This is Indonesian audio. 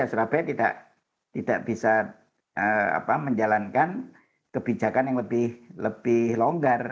surabaya tidak bisa menjalankan kebijakan yang lebih longgar